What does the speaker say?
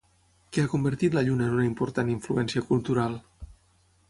Què ha convertit la Lluna en una important influència cultural?